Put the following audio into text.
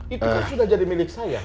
itu kan sudah jadi milik saya